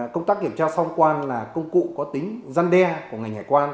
công tác kiểm tra sau thông quan là công cụ có tính răn đe của ngành hải quan